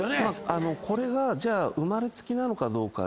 これが生まれつきなのかどうか。